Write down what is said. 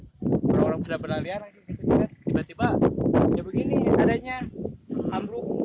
orang orang sudah berlaliar tiba tiba ya begini adanya